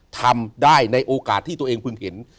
ทำได้ในโอกาสที่ตัวเองพึงเห็น